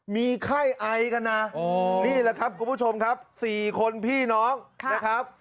มีไข้ไอกันนะนี่แหละครับคุณผู้ชมครับ๔คนพี่น้องนะครับ